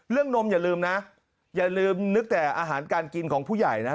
นมอย่าลืมนะอย่าลืมนึกแต่อาหารการกินของผู้ใหญ่นะ